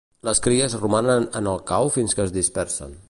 Les cries romanen en el cau fins que es dispersen.